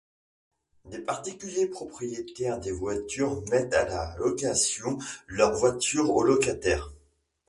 Des particuliers propriétaires des voitures mettent à la location leur voiture aux locataires.